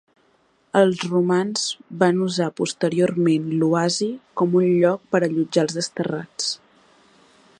Els romans van usar posteriorment l'oasi com un lloc per a allotjar els desterrats.